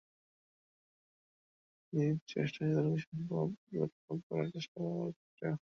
নিজ চেষ্টায় যতটুকু সম্ভব, ততটুকু পড়ার চেষ্টা করাটাই শ্রেয়।